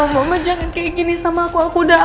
mama jangan kayak gini sama aku akuda